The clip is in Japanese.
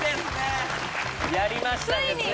やりましたね